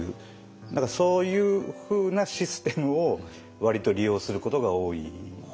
だからそういうふうなシステムを割と利用することが多いですね。